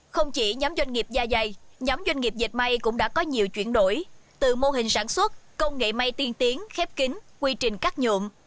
không chỉ nhóm doanh nghiệp gia dày nhóm doanh nghiệp dịch may cũng đã có nhiều chuyển đổi từ mô hình sản xuất công nghệ may tiên tiến khép kính quy trình cắt nhuộm